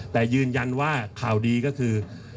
แต่ยืนยันว่าข่าวดีก็คือ